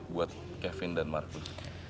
buat kevin dan markus